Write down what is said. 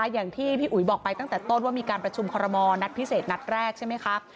อย่างที่พี่อุ๋ยบอกไปตั้งแต่ต้นว่ามีการประชุมคอรมอลนัดพิเศษนัดแรกใช่ไหมคะ